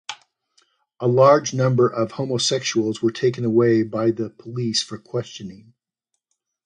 A large number of homosexuals were taken away by the police for questioning.